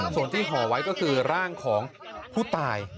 ส่วนที่ห่อไว้ก็คือร่างของผู้ตาย